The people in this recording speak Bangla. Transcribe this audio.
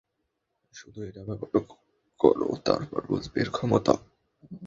শুধু এটা ব্যবহার করো, তারপর বুঝবে এর ক্ষমতা!